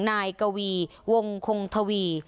นายกวีวงคงทวี